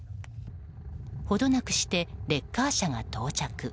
程なくして、レッカー車が到着。